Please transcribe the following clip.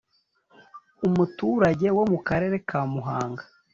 umuturage wo mu Karere ka Muhanga